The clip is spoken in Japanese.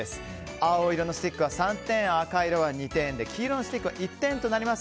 青色のスティックは３点赤色のスティックは２点黄色のスティックは１点となります。